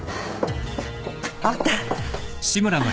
あった。